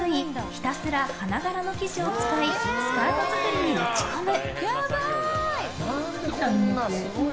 ひたすら花柄の生地を使いスカート作りに打ち込む。